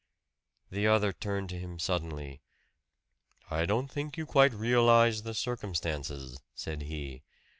The other turned to him suddenly. "I don't think you quite realize the circumstances," said he.